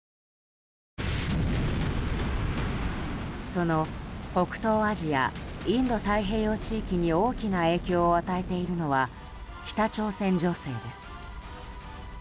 その北東アジア・インド太平洋地域に大きな影響を与えているのは北朝鮮情勢です。